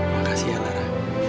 makasih ya lara